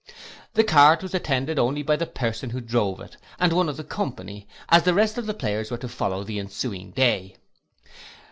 The cart was attended only by the person who drove it, and one of the company, as the rest of the players were to follow the ensuing day.